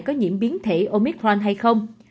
có nhiễm biến thể omicron hay không